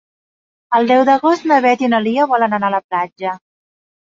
El deu d'agost na Beth i na Lia volen anar a la platja.